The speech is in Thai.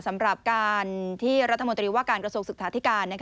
สำหรับการที่รัฐมนตรีว่าการกระทรวงศึกษาธิการ